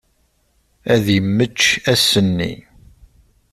Ad immečč ass-nni.